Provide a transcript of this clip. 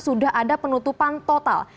sudah ada penutupan total